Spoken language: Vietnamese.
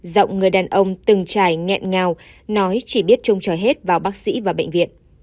giọng người đàn ông từng trải nghẹn ngào nói chỉ biết trông trò hết vào bác sĩ và bệnh viện